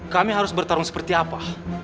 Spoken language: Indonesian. kami harus bertarung seperti apa